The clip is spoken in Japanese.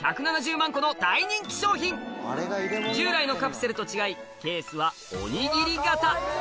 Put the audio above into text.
従来のカプセルと違いケースはおにぎり形